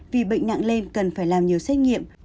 vì bệnh nặng lên cần phải làm nhiều xét nghiệm